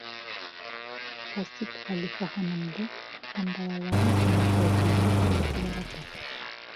Хәсид хәлифә ханымды һәм балаларын бына шулай көлдөрөп алырға ярата.